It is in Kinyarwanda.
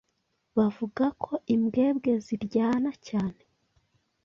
Bavuga ko imbwebwe ziryana cyane.